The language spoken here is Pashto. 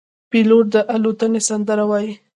پیلوټ د الوتنې سندره وايي.